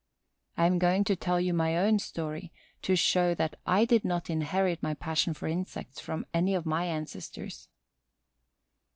I am going to tell you my own story to show that I did not inherit my passion for insects from any of my ancestors.